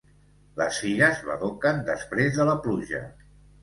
Les figues badoquen després de la pluja.